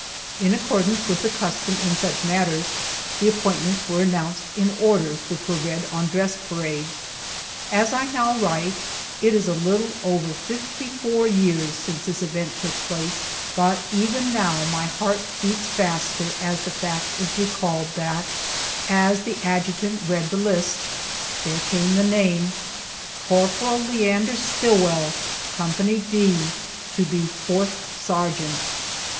In accordance with the custom in such matters, the appointments were announced in orders, which were read on dress parade. As I now write, it is a little over fifty four years since this event took place, but even now my heart beats faster as the fact is recalled that as the adjutant read the list, there came the name "Corporal Leander Stillwell, Co. D, to be 4th Sergeant."